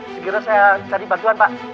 sekiranya saya cari bantuan pak